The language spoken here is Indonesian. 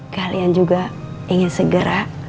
kalian juga ingin segera